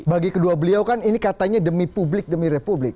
bagi kedua beliau kan ini katanya demi publik demi republik